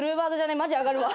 マジあがるわ。